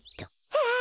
はあ。